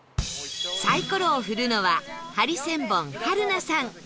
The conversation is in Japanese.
サイコロを振るのはハリセンボン春菜さん